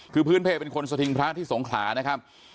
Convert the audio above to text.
คือพื้นเพลเป็นคนสถิงพระที่สงขลานะครับ